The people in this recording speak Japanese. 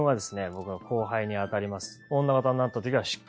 僕の後輩にあたります。